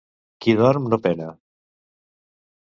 Qui dorm no pena.